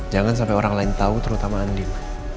jangan sampai orang lain tahu terutama andi